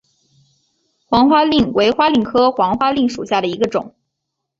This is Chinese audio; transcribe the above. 黄花蔺为花蔺科黄花蔺属下的一个种。